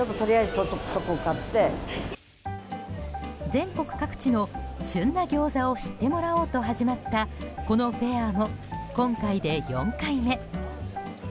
全国各地の旬な餃子を知ってもらおうと始まったこのフェアも、今回で４回目。